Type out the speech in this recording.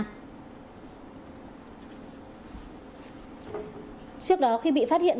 công an tỉnh đồng nai đã tìm kiếm rộng